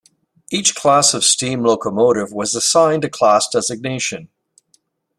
Each class of steam locomotive was assigned a class designation.